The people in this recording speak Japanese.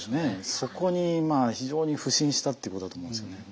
そこにまあ非常に腐心したっていうことだと思うんですよね。